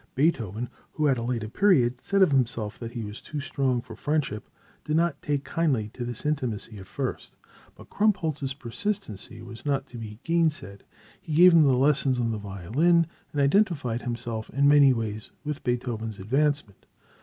Beethoven, who at a later period said of himself that he was too strong for friendship, did not take kindly to this intimacy at first, but Krumpholz's persistency was not to be gainsaid. He gave him lessons on the violin, and identified himself in many ways with Beethoven's advancement.